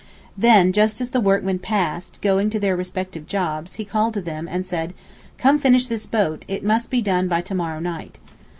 Then as the workmen passed, going to their respective jobs, he called them, and said, 'Come and finish this boat; it must be done by to morrow night.